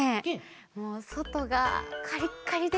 もうそとがカリッカリで。